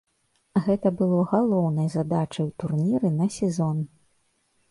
Гэта было галоўнай задачай у турніры на сезон.